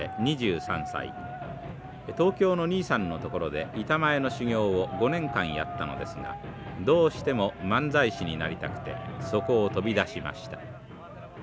東京のにいさんのところで板前の修業を５年間やったのですがどうしても漫才師になりたくてそこを飛び出しました。